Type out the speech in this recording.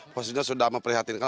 posisinya sudah memperhatikan